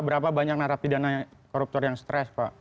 berapa banyak narapidana koruptor yang stres pak